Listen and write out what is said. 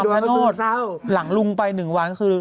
อ้าวคุณเศร้าหลังหลุงไป๑วันก็คือ